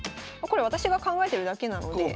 これ私が考えてるだけなので。